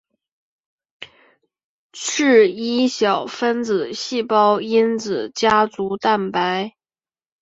是一小分子细胞因子家族蛋白。